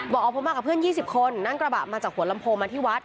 บอกอ๋อผมมากับเพื่อน๒๐คนนั่งกระบะมาจากหัวลำโพงมาที่วัด